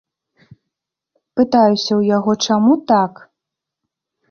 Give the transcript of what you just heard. Пытаюся ў яго, чаму так.